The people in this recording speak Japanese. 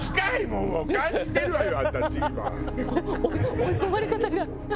追い込まれ方が。